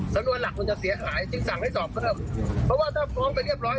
สำนวนหลักมันจะเสียหายจึงสั่งให้สอบเพิ่มเพราะว่าถ้าฟ้องไปเรียบร้อย